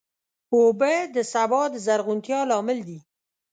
اوبه د سبا د زرغونتیا لامل دي.